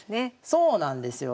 そうなんですよ。